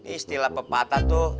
istilah pepatah tuh